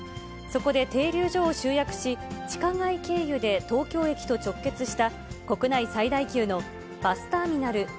そこで停留所を集約し、地下街経由で東京駅と直結した、国内最大級のバスターミナル